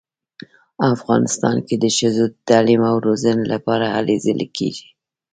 افغانستان کې د ښځو د تعلیم او روزنې لپاره هلې ځلې کیږي